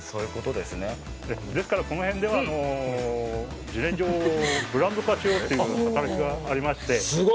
ですから、この辺では自然薯をブランド化しようという働きがありまして。